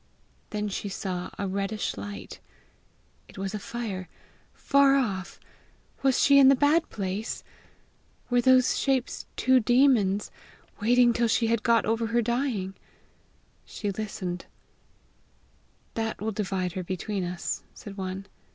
Then she saw a reddish light. It was a fire far off! Was she in the bad place? Were those shapes two demons, waiting till she had got over her dying? She listened: "That will divide her between us," said one.